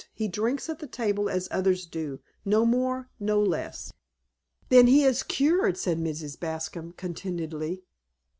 He drinks at table as others do; no more, no less." "Then he is cured," said Mrs. Bascom contentedly.